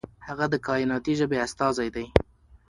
هغه د کائناتي ژبې استازی دی.